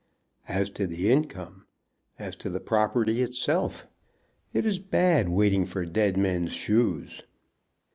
"As to the income! As to the property itself. It is bad waiting for dead men's shoes."